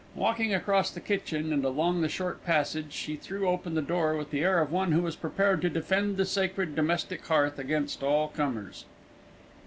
Walking across the kitchen and along the short passage, she threw open the door with the air of one who was prepared to defend the sacred domestic hearth against all comers.